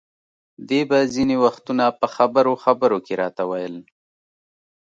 دې به ځینې وختونه په خبرو خبرو کې راته ویل.